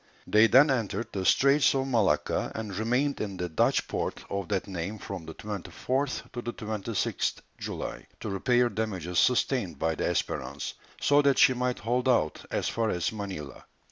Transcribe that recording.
They then entered the Straits of Malacca, and remained in the Dutch port of that name from the 24th to the 26th July, to repair damages sustained by the Espérance, so that she might hold out as far as Manilla.